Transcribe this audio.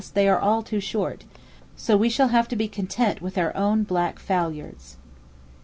they are all too short, so we shall have to be content with our own black foulards.